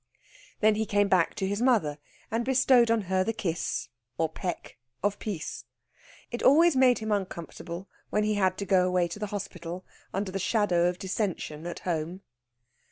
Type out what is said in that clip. Then he came back to his mother, and bestowed on her the kiss, or peck, of peace. It always made him uncomfortable when he had to go away to the hospital under the shadow of dissension at home.